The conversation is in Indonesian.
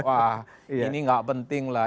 wah ini nggak penting lah